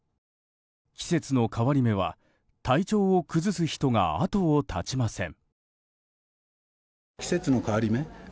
季節の変わり目は体調を崩す人が後を絶ちません。